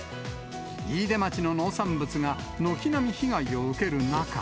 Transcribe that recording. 飯豊町の農産物が軒並み被害を受ける中。